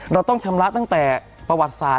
เราต้องชำระตั้งแต่ประวัติศาสต